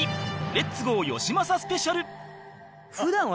レッツゴーよしまさスペシャル